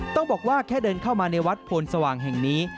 ต้องบอกว่าแค่เดินเข้ามาในวัดโพนสว่างแห่งนี้